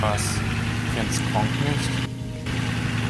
Was, du kennst Gronkh nicht?